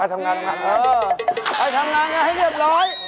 ก่อนทำงานให้เรียบร้อย